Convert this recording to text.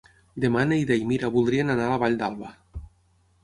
Demà na Neida i na Mira voldrien anar a la Vall d'Alba.